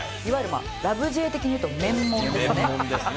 まあ『ラブ！！Ｊ』的に言うとメンモンですね。